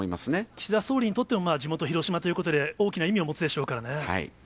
岸田総理にとっても、地元、広島ということで、大きな意味を持つでしょうからね。